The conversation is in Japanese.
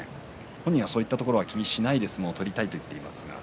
本人はそういったところを気にしないで相撲を取りたいと言っています。